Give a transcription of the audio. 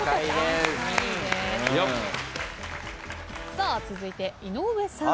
さあ続いて井上さん。